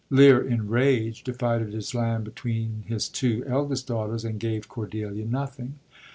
Lear, in rage, divided his land between his two eldest daughters, and gave Cordelia nothing.